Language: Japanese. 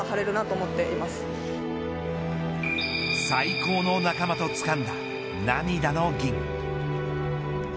最高の仲間とつかんだ涙の銀。